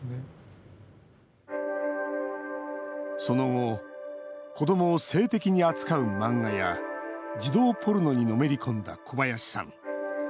その後子どもを性的に扱う漫画や児童ポルノにのめり込んだ小林さん。